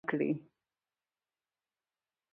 چې شاوخوا پنځلس مليارده ډالر افغانستان ته ورکړي